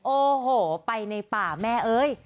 โอ้โหไปในป่าแม่เอ้ย